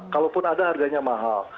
kalaupun ada harganya mahal